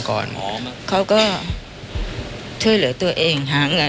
กลับคนเดียวทั้ง